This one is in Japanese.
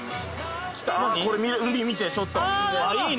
海見てちょっといいね